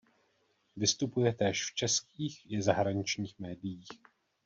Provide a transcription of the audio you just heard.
Vystupuje též v českých i zahraničních médiích.